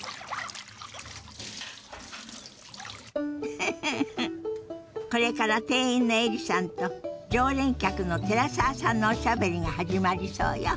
フフフフこれから店員のエリさんと常連客の寺澤さんのおしゃべりが始まりそうよ。